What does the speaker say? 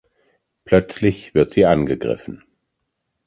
Plötzlich wird sie angegriffen.